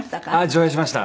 上演しました。